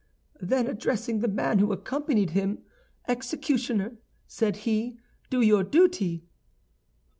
"Then, addressing the man who accompanied him, 'Executioner,' said he, 'do your duty.